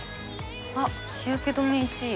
あっ日焼け止め１位。